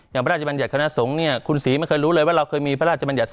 ไม่ได้เหมือนอยากคะซงเนี่ยคุณศรีไม่เคยรู้เลยว่าเราคือมีพระราชมันอย่า๒๔๘๔